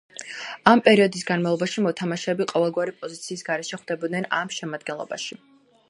ამ პერიოდის განმავლობაში, მოთამაშეები ყოველგვარი პოზიციის გარეშე ხვდებოდნენ ამ შემადგენლობაში.